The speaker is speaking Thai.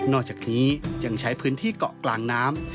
อกจากนี้ยังใช้พื้นที่เกาะกลางน้ำ